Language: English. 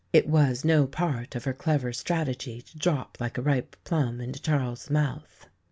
It was no part of her clever strategy to drop like a ripe plum into Charles's mouth.